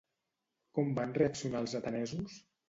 Com van reaccionar els atenesos?